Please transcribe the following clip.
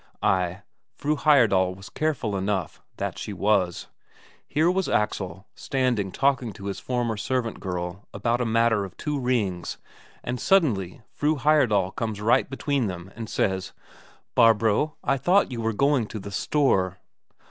Ay, Fru Heyerdahl was careful enough, that she was; here was Axel standing talking to his former servant girl about a matter of two rings, and suddenly Fru Heyerdahl comes right between them and says: "Barbro, I thought you were going to the store?"